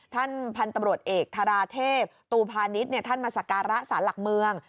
ท่านพันธุ์ตรวจเอกธราเทพตูภานิษฐ์เนี่ยท่านมาสการะศาลหลักเมือง